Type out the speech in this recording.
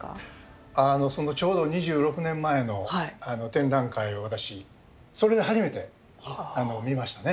ちょうど２６年前の展覧会を私それで初めて見ましてね。